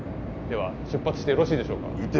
では出発してよろしいでしょうか？